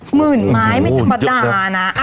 หมื่นไม้ไม่จับประดาษนะ